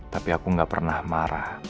tapi aku gak pernah marah